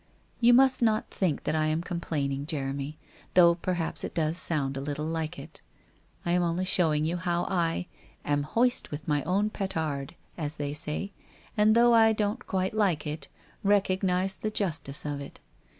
You must not think that I am complaining, Jeremy, though perhaps it does sound a little like it. I am only showing you how I 'am hoist with my own petard,' as they say, and though I don't quite like it, recognize the justice of it.